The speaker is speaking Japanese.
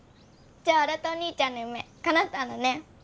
じゃあ新お兄ちゃんの夢かなったんだね。